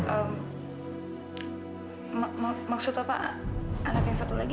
eh maksud bapak anak yang satu lagi